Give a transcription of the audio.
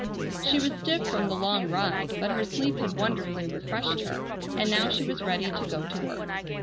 She was stiff from the long ride, but her sleep had wonderfully refreshed her, and now she was ready to go to work.